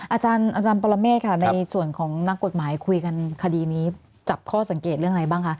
อาจารย์ปรเมฆค่ะในส่วนของนักกฎหมายคุยกันคดีนี้จับข้อสังเกตเรื่องอะไรบ้างคะ